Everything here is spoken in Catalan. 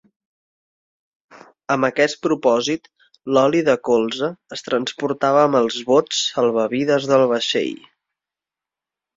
Amb aquest propòsit, l'oli de colza es transportava amb els bots salvavides del vaixell.